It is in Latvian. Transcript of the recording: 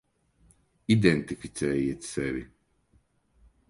Identificējiet sevi.